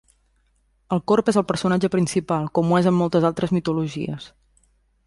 El corb és el personatge principal, com ho és en moltes altres mitologies.